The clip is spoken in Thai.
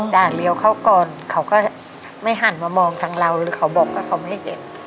ด่าเลี้ยวเข้าก่อนเขาก็ไม่หันมามองทางเราหรือเขาบอกว่าเขาไม่เจ็บ